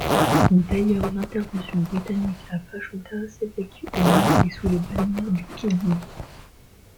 D’ailleurs, l’intervention britannique à Fachoda s’effectue au nom, et sous les bannières du khédive.